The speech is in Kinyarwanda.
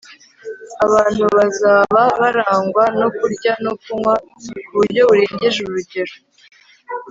abantu bazaba barangwa no kurya no kunywa ku buryo burengeje urugero